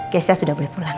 keisha sudah boleh pulang